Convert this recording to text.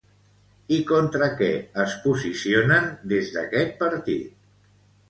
I contra què es posicionen des d'aquest partit?